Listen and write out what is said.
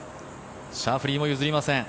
シャフリーも譲りません。